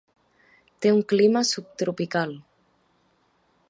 Té un clima subtropical.